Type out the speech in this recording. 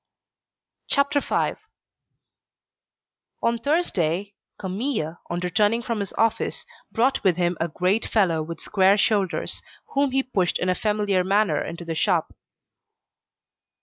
CHAPTER V One Thursday, Camille, on returning from his office, brought with him a great fellow with square shoulders, whom he pushed in a familiar manner into the shop.